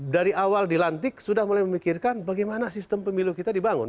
dari awal dilantik sudah mulai memikirkan bagaimana sistem pemilu kita dibangun